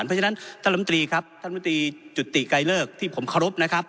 เพราะฉะนั้นท่านลำตรีครับท่านมตรีจุติไกลเลิกที่ผมเคารพนะครับ